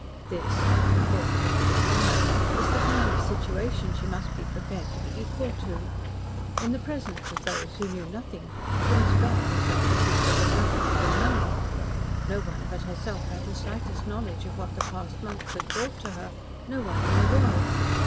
This the thought leaped upon her was the kind of situation she must be prepared to be equal to. In the presence of these who knew nothing, she must bear herself as if there was nothing to be known. No one but herself had the slightest knowledge of what the past months had brought to her no one in the world.